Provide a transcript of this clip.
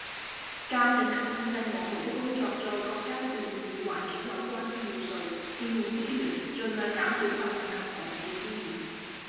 鑑定及控制我們的工作在各階段與環境有關之要素，善用資源，盡量減少廢物及防止污染